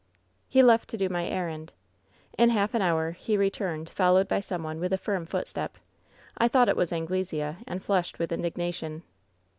"He left to do my errand. "In half an hour he returned, followed by some on« WHEN SHADOWS DIE 197 with a firm footstep. I thought it was Anglesea, and flushed with indignation.